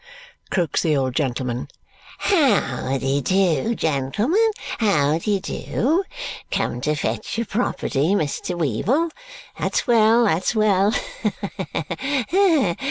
croaks the old gentleman. "How de do, gentlemen, how de do! Come to fetch your property, Mr. Weevle? That's well, that's well.